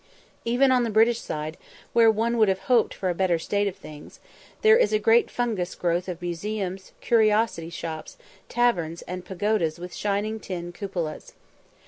Even on the British side, where one would have hoped for a better state of things, there is a great fungus growth of museums, curiosity shops, taverns, and pagodas with shining tin cupolas.